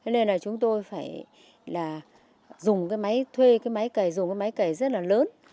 nên là chúng tôi phải là dùng cái máy thuê cái máy cầy dùng cái máy cầy rất là lớn